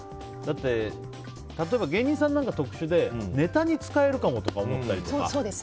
例えば芸人さんなんか特殊でネタに使えるかもとか思ったりとか。